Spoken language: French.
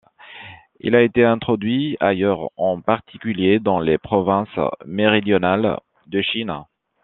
Il a été introduit ailleurs en particulier dans les provinces méridionales de Chine.